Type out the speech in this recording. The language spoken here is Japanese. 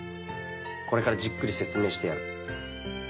これからじっくり説明してやる。